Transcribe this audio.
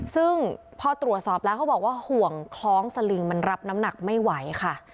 ซึ่งพอตรวจสอบแล้วเขาบอกว่าห่วงคล้องสลิงมันรับน้ำหนักไม่ไหวค่ะ